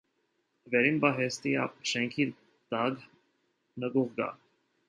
Վերին պահեստի շենքի տակ նկուղ կա։